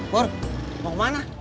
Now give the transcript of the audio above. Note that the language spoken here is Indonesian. bor mau kemana